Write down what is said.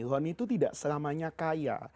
zon itu tidak selamanya kaya